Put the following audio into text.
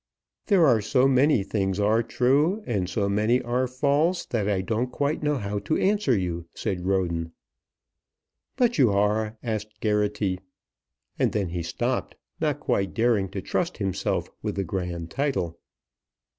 "There are so many things are true, and so many are false, that I don't quite know how to answer you," said Roden. "But you are ?" asked Geraghty; and then he stopped, not quite daring to trust himself with the grand title.